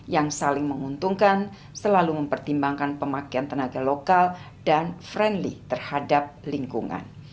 yang saling menguntungkan selalu mempertimbangkan pemakaian tenaga lokal dan friendly terhadap lingkungan